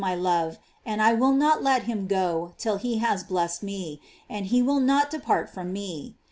123 my love, and I will not let him go till he has blessed me, and he will not depart without me.